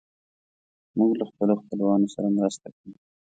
موږ له خپلو خپلوانو سره مرسته کوو.